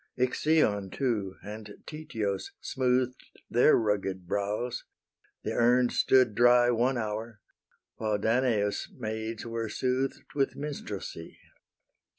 Ixion too and Tityos smooth'd Their rugged brows: the urn stood dry One hour, while Danaus' maids were sooth'd With minstrelsy.